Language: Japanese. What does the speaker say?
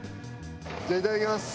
じゃあいただきます！